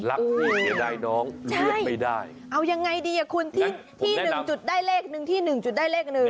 เสียดายน้องเลือกไม่ได้เอายังไงดีอ่ะคุณที่หนึ่งจุดได้เลขหนึ่งที่หนึ่งจุดได้เลขหนึ่ง